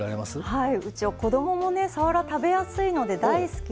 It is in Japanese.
はい。